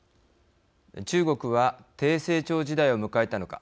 中国は低成長時代を迎えたのか。